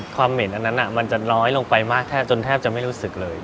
ความเหม็นอันนั้นจะล้อยลงไปมากจนแทบจะไม่รู้สึกเลย